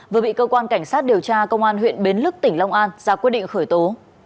vừa bị cơ quan cảnh sát điều tra công an huyện bến lức tỉnh long an ra quyết định khởi tố